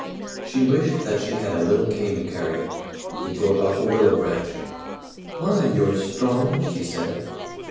She wished that she had a little cane to carry. He broke off a willow branch. "My, you're strong!" she said.